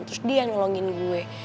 terus dia yang nolongin gue